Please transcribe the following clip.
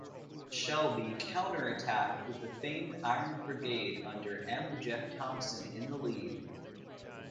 Shelby counterattacked with the famed Iron Brigade under M. Jeff Thompson in the lead.